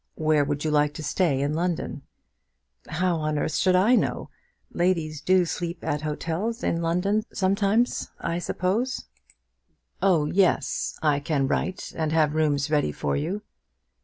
Where would you like to stay in London?" "How on earth should I know? Ladies do sleep at hotels in London sometimes, I suppose?" "Oh yes. I can write and have rooms ready for you."